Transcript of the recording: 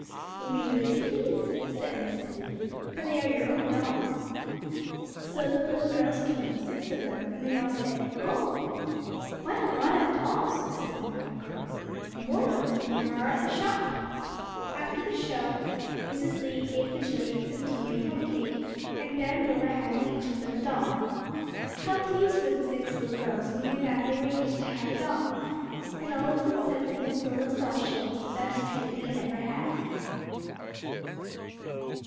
'You may do as you please,' said Mrs. Lee, 'for they are your own dolls.' So the little girls came—six of them; and they all said, 'Oh!' 'What a lot of dolls!' said one little girl; 'more dolls than there are at the shop.' After the show Mrs. Lee gave the children some tea and plumcake; and then Lilla handed each of them a doll. How pleased were the six little girls when they found they were each to have a doll! And all of them said that Miss Lilla's doll show was the best treat they had ever had.